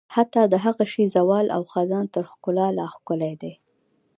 حتی د هغه شي زوال او خزان تر ښکلا لا ښکلی دی.